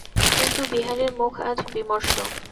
কিন্তু বিহারীর মুখ আজ বিমর্ষ।